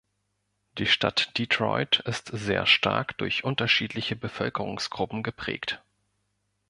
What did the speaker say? Die Stadt Detroit ist sehr stark durch unterschiedliche Bevölkerungsgruppen geprägt.